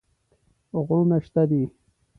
غرونه شته دي.